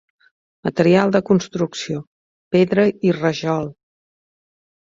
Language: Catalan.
Material de construcció: pedra i rajol.